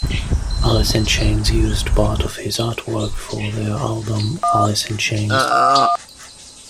Alice in Chains used part of his artwork for their album "Alice in Chains".